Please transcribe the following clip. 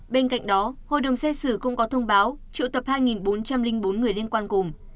bên cạnh đó hội đồng xét xử cũng có thông báo triệu tập hai bốn trăm linh bốn người liên quan cùng